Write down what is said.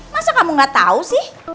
masa kamu gak tahu sih